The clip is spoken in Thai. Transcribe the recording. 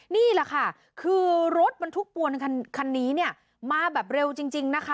นี่แหละค่ะคือรถบรรทุกปวนคันนี้เนี่ยมาแบบเร็วจริงนะคะ